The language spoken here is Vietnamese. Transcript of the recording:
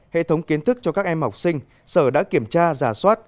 hệ thống kiến thức cho các em học sinh sở đã kiểm tra giả soát